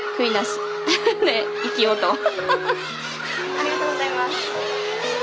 ありがとうございます。